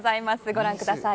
ご覧ください。